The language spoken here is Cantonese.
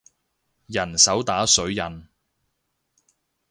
人手打水印